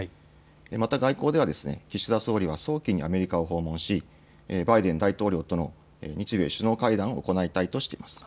また外交では、岸田総理は早期にアメリカを訪問し、バイデン大統領との日米首脳会談を行いたいとしています。